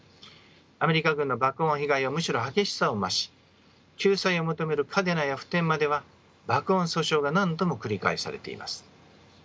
アメリカ軍の爆音被害はむしろ激しさを増し救済を求める嘉手納や普天間では爆音訴訟が何度も繰り返されています。